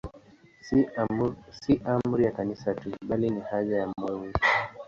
Si amri ya Kanisa tu, bali ni haja ya moyo wetu.